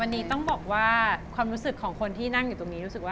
วันนี้ต้องบอกว่าความรู้สึกกับคนที่นั่งอยู่ตรงนี้